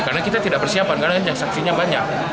karena kita tidak bersiapan karena saksinya banyak